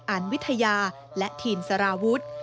อันวิทยาและทีมสารวุฒิ